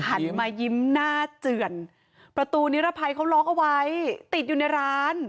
หันมายิ้มหน้าเจือนประตูนิรภัยเขาล็อกเอาไว้ติดอยู่ในร้าน